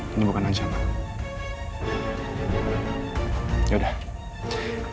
setiap tangan listeners perhatikan